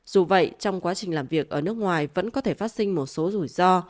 dù vậy trong quá trình làm việc ở nước ngoài vẫn có thể phát sinh một số rủi ro